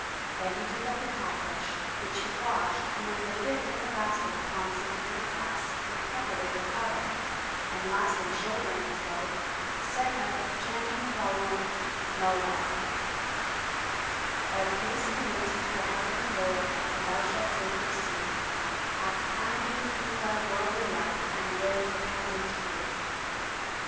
Then he took up the cat fish [FN#201] which he washed then laid it in the basket upon some green grass, and covered it with other; and lastly shouldering his load, set out chanting the following Mawwál, [FN#202] "Thy case commit to a Heavenly Lord and thou shalt safety see; * Act kindly through thy worldly life and live repentance free.